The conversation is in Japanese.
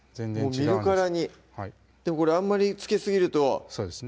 見るからにあんまりつけすぎるとそうですね